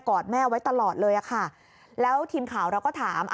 อดแม่ไว้ตลอดเลยอะค่ะแล้วทีมข่าวเราก็ถาม